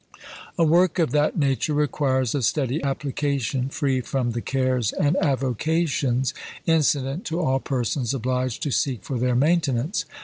A work of that nature requires a steady application, free from the cares and avocations incident to all persons obliged to seek for their maintenance.